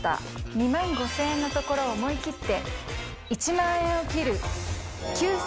２万５０００円のところを思い切って１万円を切る。